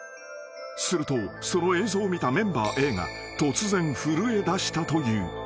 ［するとその映像を見たメンバーＡが突然震えだしたという］